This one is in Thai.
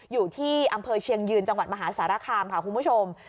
อยู่ที่อำเภอเชียงยืนจังหวัดมหาสารคามค่ะคุณผู้ชม